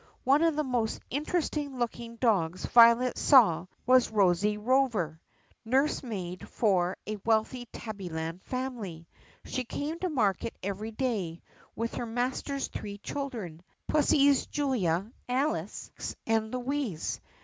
One of the most interest ing looking dogs Violet saw was Rosie Rover, nurse maid for a wealthy Tabbyland family. She came to market every day with her master's three children — Pussies Julia, Alice, and Louise.